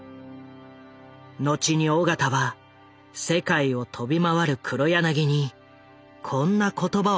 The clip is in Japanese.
後に緒方は世界を飛び回る黒柳にこんな言葉をかけたという。